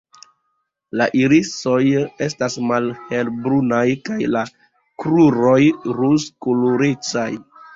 La irisoj estas malhelbrunaj kaj la kruroj rozkolorecaj.